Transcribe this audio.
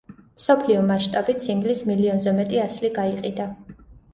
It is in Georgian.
მსოფლიო მასშტაბით სინგლის მილიონზე მეტი ასლი გაიყიდა.